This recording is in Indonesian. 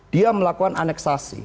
dia melakukan aneksasi